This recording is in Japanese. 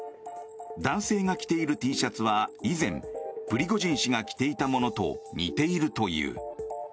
男性が着ているＴシャツは以前、プリゴジン氏が着ていたものと似ているという。